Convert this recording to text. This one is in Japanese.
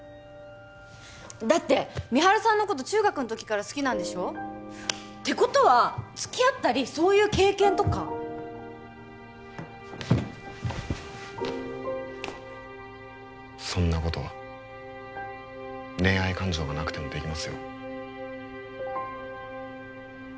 だって美晴さんのこと中学の時から好きなんでしょてことはつきあったりそういう経験とかそんなこと恋愛感情がなくてもできますよ